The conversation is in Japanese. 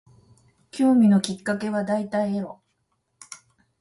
興味のきっかけは大体エロ